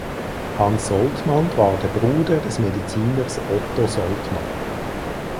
Hans Soltmann war der Bruder des Mediziners Otto Soltmann.